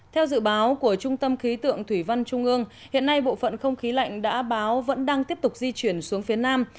theo dự báo của trung tâm khí tượng thủy văn trung ương hiện nay bộ phận không khí lạnh đã báo vẫn đang tiếp tục di chuyển xuống phía nam